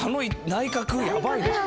内角やばいですよ